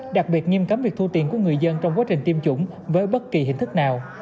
đặc biệt nghiêm cấm việc thu tiền của người dân trong quá trình tiêm chủng với bất kỳ hình thức nào